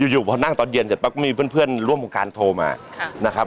อยู่พอนั่งตอนเย็นเสร็จปั๊บมีเพื่อนร่วมวงการโทรมานะครับ